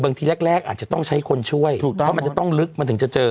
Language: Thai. ทีแรกอาจจะต้องใช้คนช่วยถูกต้องเพราะมันจะต้องลึกมันถึงจะเจอ